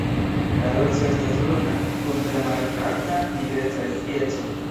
La dorso estas bruna kun tre markata nigreca strieco.